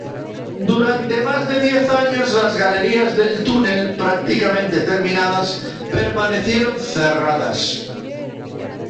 Durante más de diez años las galerías del túnel, prácticamente terminadas, permanecieron cerradas.